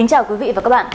kính chào quý vị và các bạn